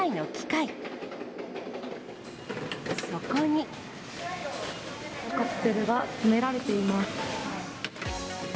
カプセルが詰められています。